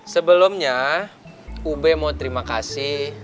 sebelumnya ub mau terima kasih